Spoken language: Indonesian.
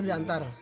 saya ke sini lah